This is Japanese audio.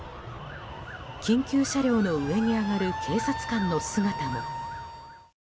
緊急車両の上に上がる警察官の姿も。